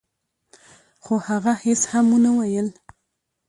خو هغه هيڅ هم ونه ويل.